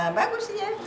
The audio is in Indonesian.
nah bagus ya